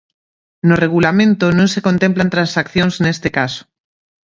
No Regulamento non se contemplan transaccións neste caso.